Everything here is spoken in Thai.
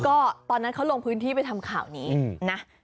ก็ตอนนั้นเขาลงพื้นที่ไปทำข่าวนี้นะ